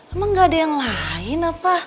emang enggak ada yang lain apa